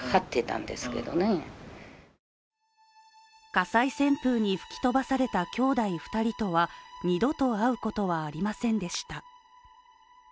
火災旋風に吹き飛ばされた兄弟２人とは二度と会うことはありませんでした。